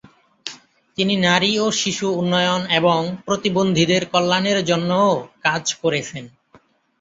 তিনি নারী ও শিশু উন্নয়ন এবং প্রতিবন্ধীদের কল্যাণের জন্যও কাজ করেছেন।